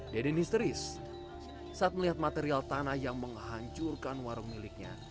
deden histeris saat melihat material tanah yang menghancurkan warung miliknya